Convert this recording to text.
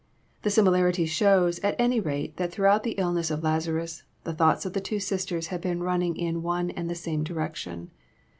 The similarity shows, at] any rate, that throughout the illness of Lazarus, the thoughts i of the two sisters had been running in one and the same; direction.